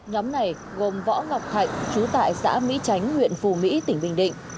nhóm này gồm võ ngọc thạnh chú tại xã mỹ chánh huyện phù mỹ tỉnh bình định